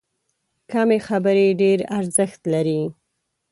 کمې خبرې، ډېر ارزښت لري.